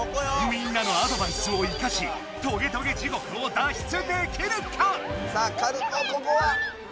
みんなのアドバイスをいかしトゲトゲ地獄を脱出できるか⁉さあここはセーフ。